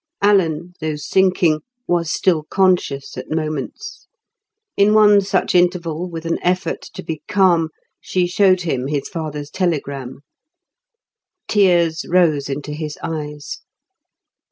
Alan, though sinking, was still conscious at moments; in one such interval, with an effort to be calm, she showed him his father's telegram. Tears rose into his eyes.